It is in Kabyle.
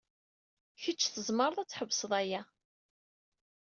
Kecc tzemred ad tḥebsed aya.